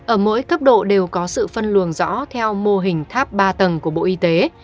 ở mỗi cấp độ đều có sự phân luồng rõ theo mô hình tháp ba tầng của bộ y tế